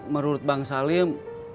menurut bang salim